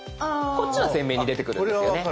こっちは鮮明に出てくるんですよね。